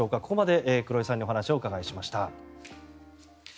ここまで黒井さんにお話を伺いました。